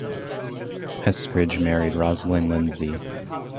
Eskridge married Rosalyn Lindsay.